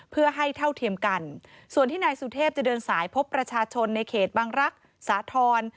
เพื่อให้เท่าเทียมกันส่วนที่นายสุเทพจะเดินสายพบประชาชนในเขตบังรักษ์สาธรณ์